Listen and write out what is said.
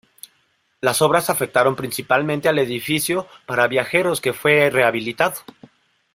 Las obras afectaron principalmente al edificio para viajeros que fue rehabilitado.